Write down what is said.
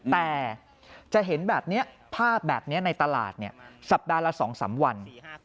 แต่จะเห็นแบบนี้ภาพแบบนี้ในตลาดสัปดาห์ละ๒๓วัน